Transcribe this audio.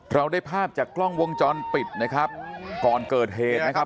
เราได้ภาพจากกล้องวงจรปิดนะครับก่อนเกิดเหตุนะครับ